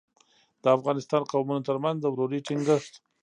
د افغانستان قومونو ترمنځ د ورورۍ ټینګښت.